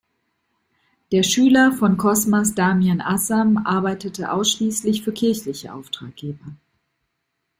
Der Schüler von Cosmas Damian Asam arbeitete ausschließlich für kirchliche Auftraggeber.